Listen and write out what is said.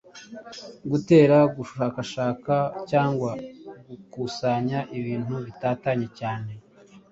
Gutara: Gushakashaka cyangwa gukusanya ibintu bitatanye cyane